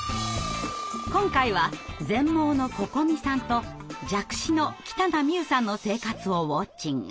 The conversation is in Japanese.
今回は全盲のここみさんと弱視の北名美雨さんの生活をウォッチング！